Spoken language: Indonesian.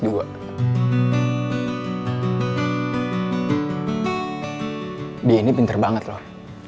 dia ini pinter banget loh